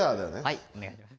はいお願いします。